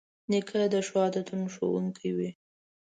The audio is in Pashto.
نیکه د ښو عادتونو ښوونکی وي.